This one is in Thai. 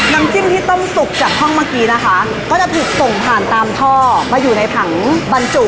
น้ำจิ้มที่ต้มสุกจากห้องเมื่อกี้นะคะก็จะถูกส่งผ่านตามท่อมาอยู่ในผังบรรจุ